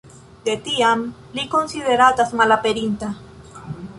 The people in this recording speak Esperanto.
De tiam li konsideratas malaperinta.